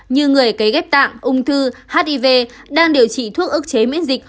như người cấy ghép tạng ung thư hiv đang điều trị thuốc ức chế miễn dịch